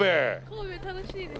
神戸楽しいです。